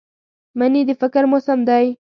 مني د فکر موسم دی